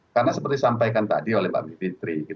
karena seperti sampaikan tadi oleh mbak mipitri